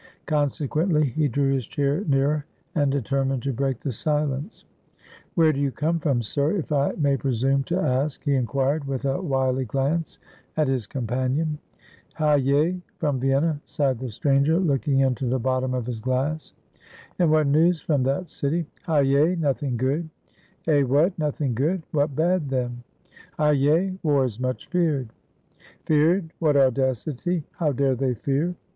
Consequently he drew his chair nearer, and deter mined to break the silence. "Where do you come from, sir, if I may presume to ask?" he inquired, with a wily glance at his companion. * One is silent, the other listens to him. 360 THE UNLUCKY WEATHERCOCK ^^Hyay! from Vienna," sighed tlie stranger, looking into the bottom of his glass. "And what news from that city?" ^^Hyay! nothing good." "Eh, what? Nothing good! — what bad, then?" ^^Hyay! war is much feared." "Feared! what audacity! — how dare they fear?"